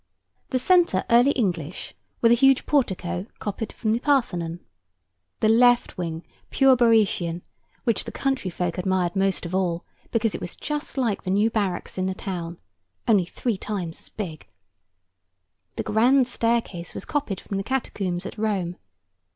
The centre Early English, with a huge portico copied from the Parthenon. The left wing pure Bœotian, which the country folk admired most of all, became it was just like the new barracks in the town, only three times as big. The grand staircase was copied from the Catacombs at Rome.